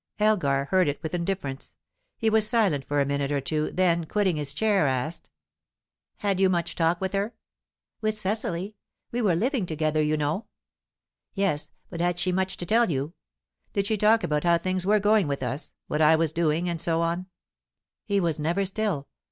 Elgar heard it with indifference. He was silent for a minute or two; then, quitting his chair, asked: "Had you much talk with her?" "With Cecily? We were living together, you know." "Yes, but had she much to tell you? Did she talk about how things were going with us what I was doing, and so on?" He was never still.